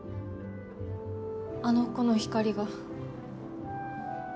あの子の光が。